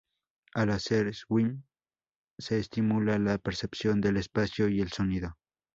Al hacer swing se estimula la percepción del espacio y el sonido.